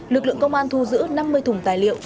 lực lượng công an thu giữ năm mươi thùng tài liệu